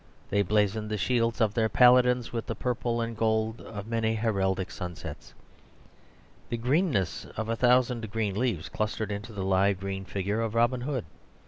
They blazoned the shields of their paladins with the purple and gold of many heraldic sunsets. The greenness of a thousand green leaves clustered into the live green figure of Robin Hood.